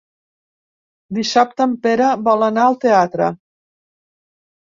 Dissabte en Pere vol anar al teatre.